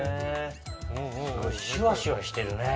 すごいシュワシュワしてるね。